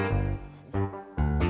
nih si tati